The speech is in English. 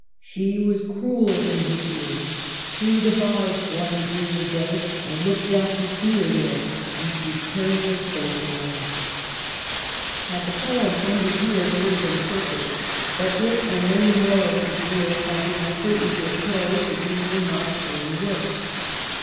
" She was cruel in her fear ; Through the bars, one dreary day, I looked out to see her there, And she turned her face away !" Had the poem ended here it would have been perfect, but it and many more of these lyrics have the uncertainty of close that usually marks early work.